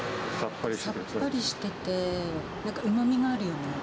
さっぱりしててなんかうまみがあるよね。